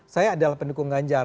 saya adalah pendukung ganjar